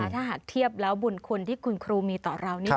ถ้าหากเทียบแล้วบุญคุณที่คุณครูมีต่อเรานี่